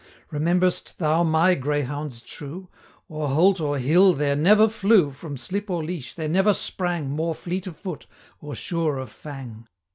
Remember'st thou my greyhounds true? 60 O'er holt or hill there never flew, From slip or leash there never sprang, More fleet of foot, or sure of fang.